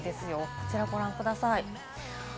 こちらをご覧ください。